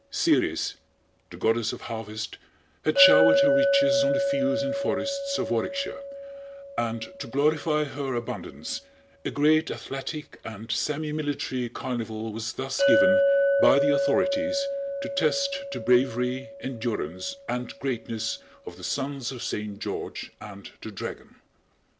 Ceres, the Goddess of Harvest, had showered her riches on the fields and forests of Warwickshire, and to glorify her abundance, a great athletic and semimilitary carnival was thus given by the authorities to test the bravery, endurance and greatness of the sons of Saint George and the Dragon.